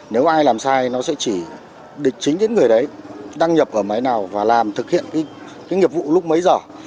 nếu ai làm sai nó sẽ chỉ địch chính cái người đấy đăng nhập ở máy nào và làm thực hiện cái nghiệp vụ lúc mấy giờ